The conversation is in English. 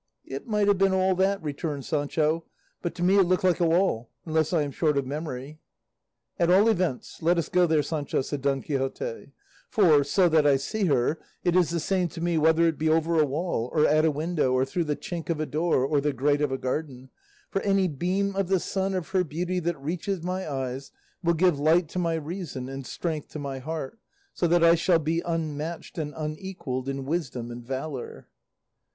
"It might have been all that," returned Sancho, "but to me it looked like a wall, unless I am short of memory." "At all events, let us go there, Sancho," said Don Quixote; "for, so that I see her, it is the same to me whether it be over a wall, or at a window, or through the chink of a door, or the grate of a garden; for any beam of the sun of her beauty that reaches my eyes will give light to my reason and strength to my heart, so that I shall be unmatched and unequalled in wisdom and valour."